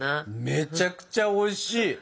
めちゃくちゃおいしい！